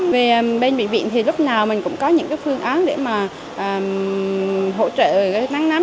về bên bệnh viện thì lúc nào mình cũng có những phương án để hỗ trợ nắng nắm